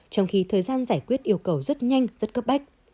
trong khi thời gian giải quyết yêu cầu rất nhanh rất cấp bách